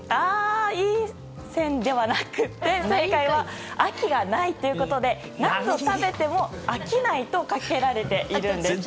いい線ではなくって正解はあきがないということで何度食べても「飽きない」とかけられているんです。